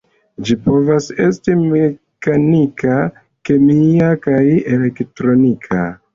Ĝi povas esti mekanika, kemia kaj elektronika.